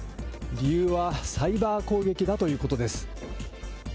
理由はサイバー攻撃だということです。